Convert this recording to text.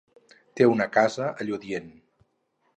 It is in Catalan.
Té una casa a Lludient.